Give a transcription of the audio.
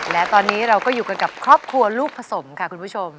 และตอนนี้เราก็อยู่กันกับครอบครัวลูกผสมค่ะคุณผู้ชม